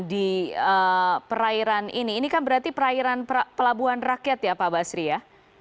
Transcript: di perairan ini ini kan berarti perairan pelabuhan rakyat ya pak basri ya